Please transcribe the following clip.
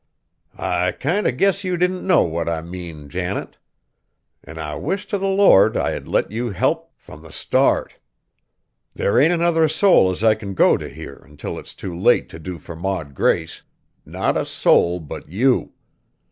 "I kind o' guess you know what I mean, Janet; an' I wish t' the Lord I had let you help frum the start. There ain't another soul as I kin go t' here until it's too late t' do fur Maud Grace not a soul but you!